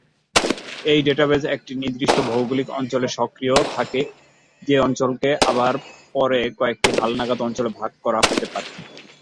এই ডেটাবেজ একটা নির্দিষ্ট ভৌগোলিক অঞ্চলে সক্রিয় থাকে, যে অঞ্চলকে আবার পরে কয়েকটি হালনাগাদ অঞ্চলে ভাগ করা হতে পারে।